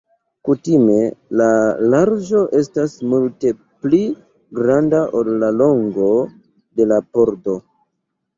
Kutime la larĝo estas multe pli granda ol la longo de la pordo.